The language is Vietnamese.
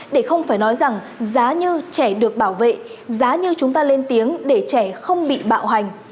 để không phải nói rằng giá như trẻ được bảo vệ giá như chúng ta lên tiếng để trẻ không bị bạo hành